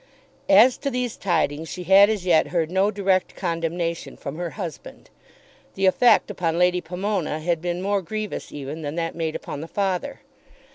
As to these tidings she had as yet heard no direct condemnation from her husband. The effect upon Lady Pomona had been more grievous even than that made upon the father.